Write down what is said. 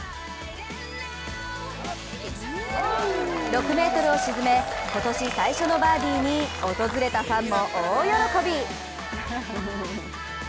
６ｍを沈め、今年最初のバーディーに訪れたファンも大喜び。